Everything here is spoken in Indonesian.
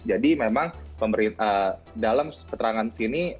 jadi memang dalam keterangan sini